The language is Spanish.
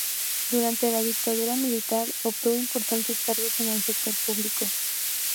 Durante la dictadura militar obtuvo importantes cargos en el sector público.